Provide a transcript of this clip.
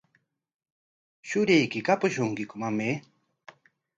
¿Shurayki kapushunkiku, mamay?